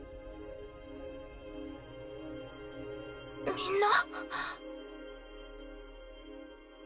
みんな？